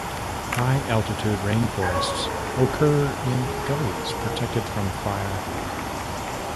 High altitude rainforests occur in gullies protected from fire.